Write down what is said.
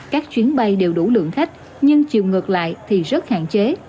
các chuyến bay đều đủ lượng khách nhưng chiều ngược lại thì rất hạn chế